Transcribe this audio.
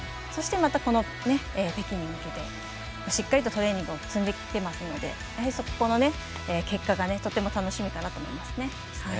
そして、またこの北京に向けてしっかりとトレーニングを積んできてますのでやはり、ここの結果がとても楽しみだなと思います。